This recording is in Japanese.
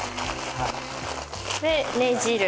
でねじる。